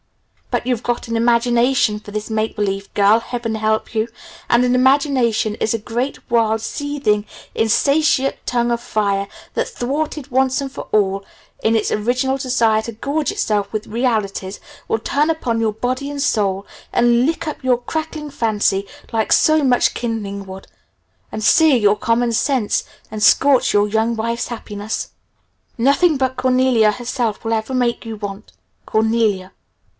But you've got an 'imagination' for this make believe girl heaven help you! and an 'imagination' is a great, wild, seething, insatiate tongue of fire that, thwarted once and for all in its original desire to gorge itself with realities, will turn upon you body and soul, and lick up your crackling fancy like so much kindling wood and sear your common sense, and scorch your young wife's happiness. Nothing but Cornelia herself will ever make you want Cornelia.